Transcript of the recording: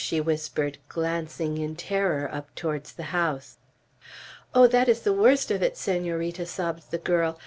she whispered, glancing in terror up towards the house. "Oh, that is the worst of it, Senorita!" sobbed the girl.